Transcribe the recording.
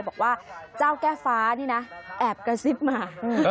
บอกว่าเจ้าแก้ฟ้านี่นะแอบกระซิบมา